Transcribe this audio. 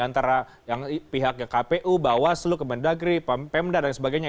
antara pihak kpu bawaslu kemendagri pemda dan sebagainya